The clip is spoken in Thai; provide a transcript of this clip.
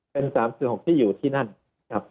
เป็น๓๔๖ที่อยู่ที่นั่นครับ